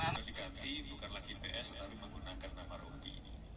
tidak diganti bukan lagi ps tapi menggunakan nama rubi